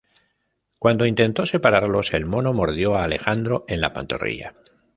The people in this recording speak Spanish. Cuando intentó separarlos, el mono mordió a Alejandro en la pantorrilla.